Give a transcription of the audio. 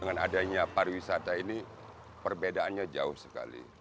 tapi yang adanya pariwisata ini perbedaannya jauh sekali